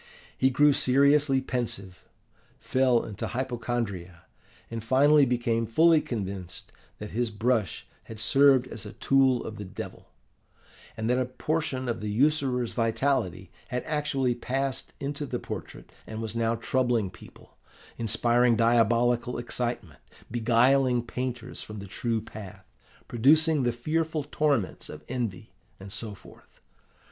He grew seriously pensive, fell into hypochondria, and finally became fully convinced that his brush had served as a tool of the Devil; and that a portion of the usurer's vitality had actually passed into the portrait, and was now troubling people, inspiring diabolical excitement, beguiling painters from the true path, producing the fearful torments of envy, and so forth.